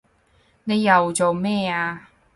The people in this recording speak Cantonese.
你又做咩啊